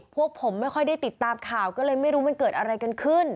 พวกผมไม่ค่อยได้ติดตามข่าวก็เลยไม่รู้มันเกิดอะไรกันขึ้น